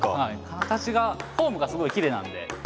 形がフォームがすごいきれいなんで。